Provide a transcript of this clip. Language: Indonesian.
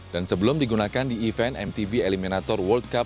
dan sebelum digunakan di event mtb eliminator